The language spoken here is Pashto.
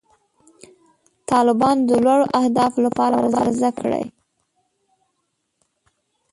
طالبانو د لوړو اهدافو لپاره مبارزه کړې.